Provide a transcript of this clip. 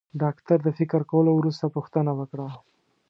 ډاکټر د فکر کولو وروسته پوښتنه وکړه.